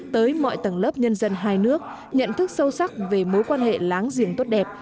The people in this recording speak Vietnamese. tới mọi tầng lớp nhân dân hai nước nhận thức sâu sắc về mối quan hệ láng giềng tốt đẹp